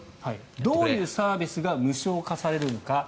どういうサービスが無償化されるのか。